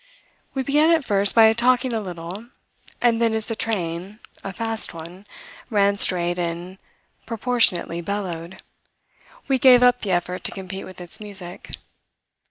We began at first by talking a little, and then as the train a fast one ran straight and proportionately bellowed, we gave up the effort to compete with its music.